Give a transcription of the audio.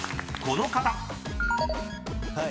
［この方！］